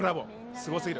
すごすぎる。